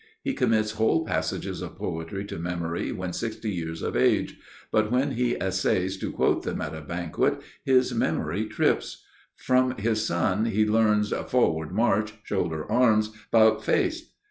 He commits whole passages of poetry to memory when sixty years of age; but when he essays to quote them at a banquet his memory trips. From his son, he learns "Forward march!" "Shoulder arms!" "'Bout face!"